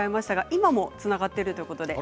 今もつながっているそうです。